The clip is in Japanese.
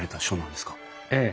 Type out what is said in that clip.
ええ。